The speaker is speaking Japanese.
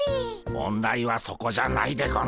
問題はそこじゃないでゴンス。